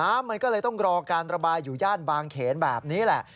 น้ำมันก็เลยต้องรอการระบายอยู่ย่านบางเขนแบบนี้แหละ